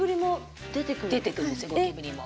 出てくるんですよゴキブリも。